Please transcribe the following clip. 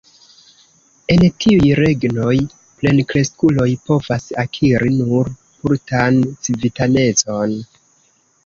En iuj regnoj plenkreskuloj povas akiri nur partan civitanecon.